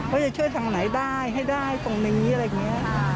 ว่าจะช่วยทางไหนได้ให้ได้ตรงนี้อะไรอย่างนี้